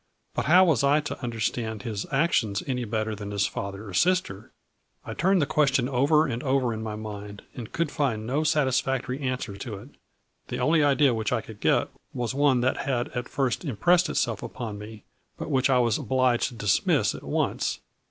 But how was I to un derstand his actions any better than his father or sister? I turned the question over and 138 A FLURRY IN DIAMONDS. over in my mind and could find no satisfactory answer to it. The only idea which I could get was one that had at first impressed itself upon me, but which I was obliged to dismiss at once.